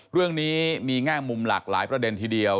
เรื่องนี้มีแง่มุมหลากหลายประเด็นทีเดียว